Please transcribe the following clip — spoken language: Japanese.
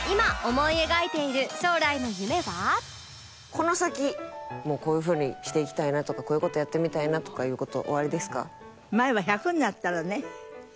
この先こういうふうにしていきたいなとかこういう事やってみたいなとかいう事おありですか？